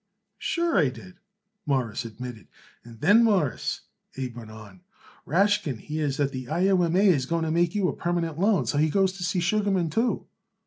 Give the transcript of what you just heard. "Sure, I did," Morris admitted. "And then, Mawruss," Abe went on, "Rashkin hears that the I. O. M. A. is going to make you a permanent loan, so he goes to see Sugarman too."